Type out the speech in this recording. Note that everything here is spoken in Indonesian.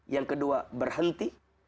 yang kedua berhenti